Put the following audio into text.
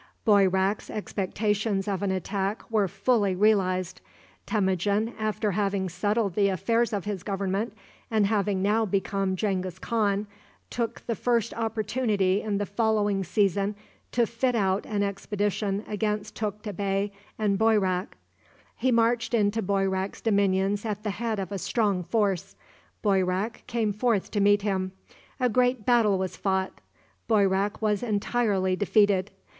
Boyrak's expectations of an attack were fully realized. Temujin, after having settled the affairs of his government, and having now become Genghis Khan, took the first opportunity in the following season to fit out an expedition against Tukta Bey and Boyrak. He marched into Boyrak's dominions at the head of a strong force. Boyrak came forth to meet him. A great battle was fought. Boyrak was entirely defeated.